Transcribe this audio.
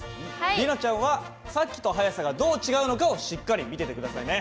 里奈ちゃんはさっきと速さがどう違うのかをしっかり見てて下さいね。